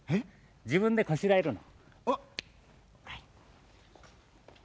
じぶんでこしらえるの。